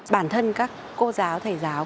bản thân các cô giáo thầy giáo